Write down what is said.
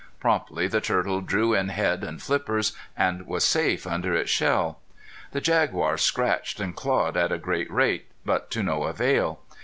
Promptly the turtle drew in head and flippers, and was safe under its shell. The jaguar scratched and clawed at a great rate, but to no avail.